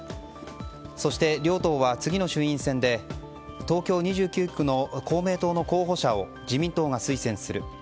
そして、両党は次の衆院選で東京２９区の公明党の候補者を自民党が推薦する。